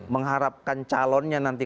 mengharapkan calonnya nanti